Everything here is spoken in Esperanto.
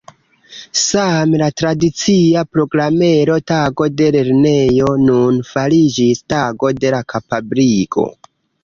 Same la tradicia programero Tago de lernejo nun fariĝis Tago de kapabligo.